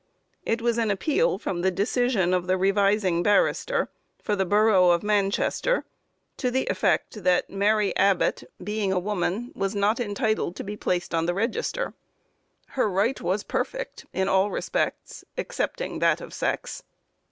It was an appeal from the decision of the revising barrister, for the borough of Manchester, to the effect "that Mary Abbott, being a woman, was not entitled to be placed on the register." Her right was perfect in all respects excepting that of sex.